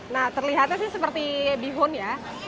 nah terlihatnya sih seperti bihun ya